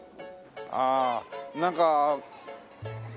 ああなんか。